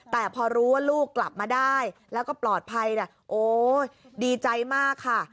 แต่พอรู้ว่าลูกกลับมาได้แล้วก็ปลอดภัยโอ้ยดีใจมากค่ะ